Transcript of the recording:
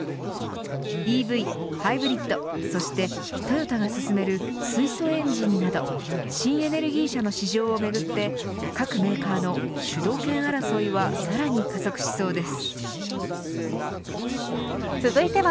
ＥＶ、ハイブリッドそしてトヨタが進める水素エンジンなど新エネルギー車の市場をめぐって各メーカーの主導権争いはさらに加速しそうです。